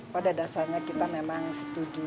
pada dasarnya kita memang setuju